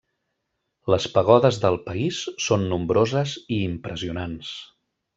Les pagodes del país són nombroses i impressionants.